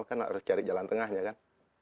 kan harus cari jalan tengahnya kan